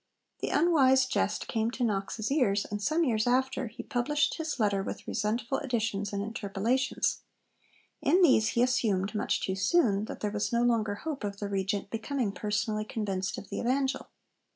The unwise jest came to Knox's ears, and some years after he published his letter with resentful additions and interpolations. In these he assumed much too soon that there was no longer hope of the Regent becoming personally convinced of the Evangel.